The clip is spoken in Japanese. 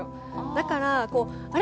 だから、あれ？